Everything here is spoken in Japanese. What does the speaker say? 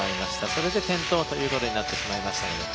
それで転倒ということになってしまいましたので。